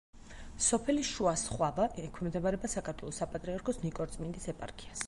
სოფელი შუა სხვავა ექვემდებარება საქართველოს საპატრიარქოს ნიკორწმინდის ეპარქიას.